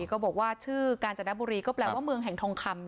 ก็บอกว่าชื่อกาญจนบุรีก็แปลว่าเมืองแห่งทองคำ